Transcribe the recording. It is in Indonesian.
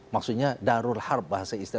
maksudnya darul harb